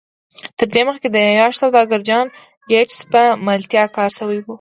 تر دې مخکې د عياش سوداګر جان ګيټس په ملتيا کار شوی و.